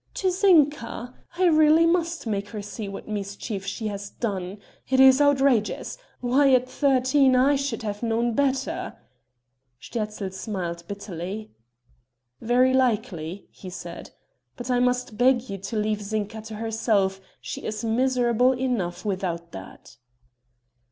"To Zinka; I really must make her see what mischief she has done. It is outrageous ... why, at thirteen I should have known better!" Sterzl smiled bitterly: "Very likely," he said, "but I must beg you to leave Zinka to herself; she is miserable enough without that."